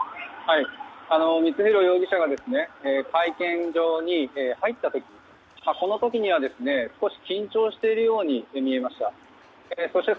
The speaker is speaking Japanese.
光弘容疑者が会見場に入った時この時には少し緊張しているように見えました。